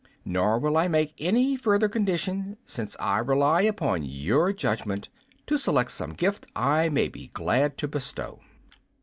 Nor will I make any further condition, since I rely upon your judgment to select some gift I may be glad to bestow."